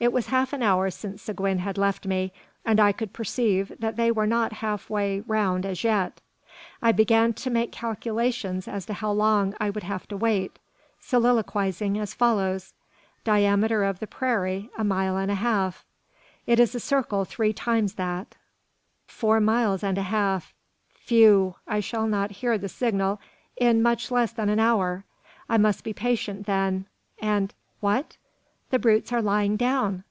It was half an hour since Seguin had left me, and I could perceive that they were not half way round as yet. I began to make calculations as to how long I would have to wait, soliloquising as follows: "Diameter of the prairie, a mile and a half. It is a circle three times that: four miles and a half. Phew! I shall not hear the signal in much less than an hour. I must be patient then, and what! The brutes are lying down!